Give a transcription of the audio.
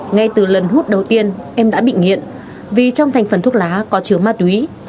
ngay từ lần hút đầu tiên em đã bị nghiện vì trong thành phần thuốc lá có chứa ma túy